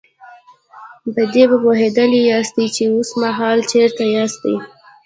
په دې به پوهېدلي ياستئ چې اوسمهال چېرته ياستئ.